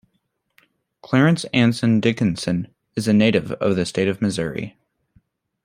Clarence Anson Dickison is a native of the state of Missouri.